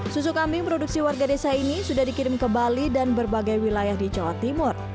susu kambing produksi warga desa ini sudah dikirim ke bali dan berbagai wilayah di jawa timur